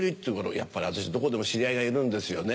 やっぱり私どこでも知り合いがいるんですよね。